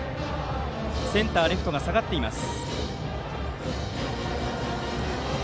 センター、レフトが下がっています。